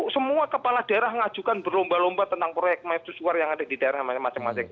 semua kepala daerah ngajukan berlomba lomba tentang proyek maisuar yang ada di daerah masing masing